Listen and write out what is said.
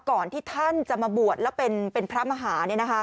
ก่อนที่ท่านจะมาบวชแล้วเป็นพระมหา